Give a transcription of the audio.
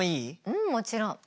うんもちろん。